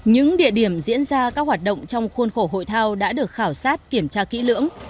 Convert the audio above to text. những địa điểm diễn ra các hoạt động trong khuôn khổ hội thao đã được khảo sát kiểm tra kỹ lưỡng